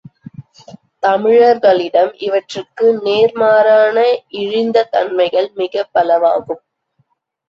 தமிழர்களிடம் இவற்றுக்கு நேர்மாறான இழிந்த தன்மைகள் மிகப் பலவாகும்.